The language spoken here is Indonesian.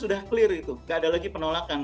sudah clear gitu gak ada lagi penolakan